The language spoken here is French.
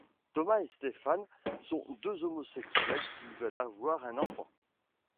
Thomas et Stéphane sont deux homosexuels qui veulent avoir un enfant.